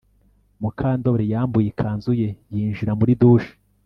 Mukandoli yambuye ikanzu ye yinjira muri douche